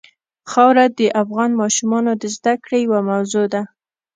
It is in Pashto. خاوره د افغان ماشومانو د زده کړې یوه موضوع ده.